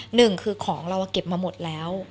หนึ่งคือของเราเก็บมาหมดแล้ว